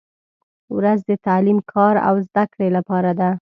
• ورځ د تعلیم، کار او زدهکړې لپاره ده.